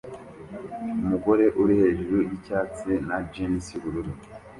Umugore uri hejuru yicyatsi na jans yubururu